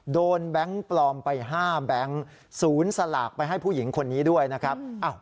แบงค์ปลอมไป๕แบงค์ศูนย์สลากไปให้ผู้หญิงคนนี้ด้วยนะครับ